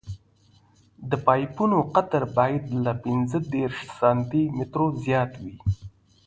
د پایپونو قطر باید له پینځه دېرش سانتي مترو زیات وي